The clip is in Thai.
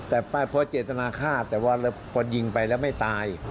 แต่ไปเพราะเจตนาฆ่าแต่ว่าพอยิงไปแล้วไม่ตาย